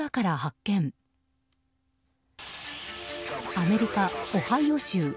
アメリカ・オハイオ州。